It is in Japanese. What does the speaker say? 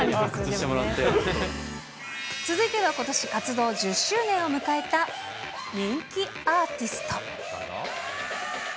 続いてはことし活動１０周年を迎えた人気アーティスト。